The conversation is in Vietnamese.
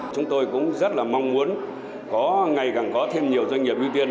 chúng tôi cũng rất là mong muốn có ngày càng có thêm nhiều doanh nghiệp ưu tiên